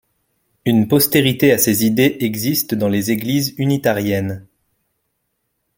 Une postérité à ces idées existe dans les églises unitariennes.